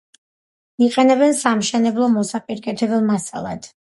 იყენებენ სამშენებლო და მოსაპირკეთებელ მასალად.